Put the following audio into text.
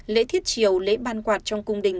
lễ thiết chiều lễ ban quạt trong cung đình